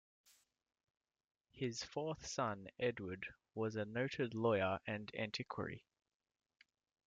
His fourth son, Edward was a noted lawyer and antiquary.